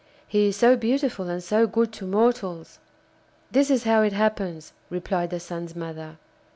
He is so beautiful and so good to mortals.' 'This is how it happens,' replied the Sun's mother.